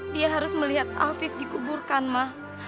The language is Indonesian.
dia harus melihat afif dikuburkan mah